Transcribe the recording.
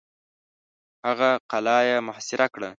هغه قلا یې محاصره کړه.